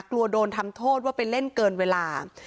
กลัวโดนทำโทษว่าไปเล่นเกินเวลา